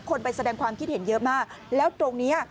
ไปแสดงความคิดเห็นเยอะมากแล้วตรงนี้